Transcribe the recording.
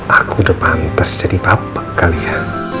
aku udah pantas jadi bapak kali ya